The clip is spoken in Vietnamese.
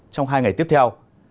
trong hai ngày tiếp theo